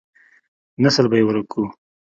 نسل به يې ورک کو.